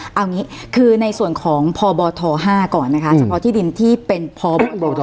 เอาอย่างงี้คือในส่วนของพบ๕ก่อนนะคะสำหรับที่ดินที่เป็นพบ๕